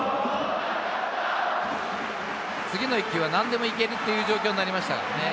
次の１球はなんでもいけるという状況になりましたからね。